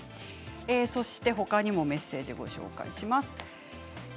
そして他にもメッセージご紹介します。